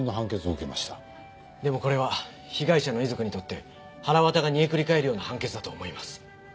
でもこれは被害者の遺族にとってはらわたが煮えくりかえるような判決だと思います。